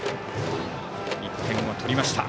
１点を取りました。